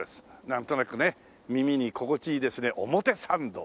なんとなくね耳に心地いいですね表参道。